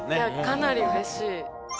かなりうれしい。